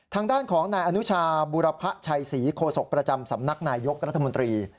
ทางด้านของนายอนุชาบุรพะชัยศรีโคศกประจำสำนักนายยกรัฐมนตรี